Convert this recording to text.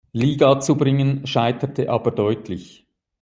Liga zu bringen, scheiterte aber deutlich.